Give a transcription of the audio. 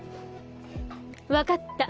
わかった。